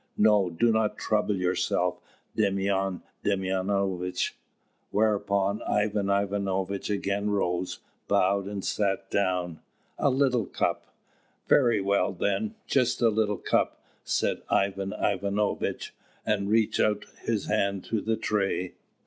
"No, do not trouble yourself, Demyan Demyanovitch." Whereupon Ivan Ivanovitch again rose, bowed, and sat down. "A little cup!" "Very well, then, just a little cup," said Ivan Ivanovitch, and reached out his hand to the tray.